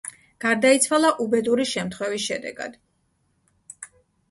გარდაიცვალა უბედური შემთხვევის შედეგად.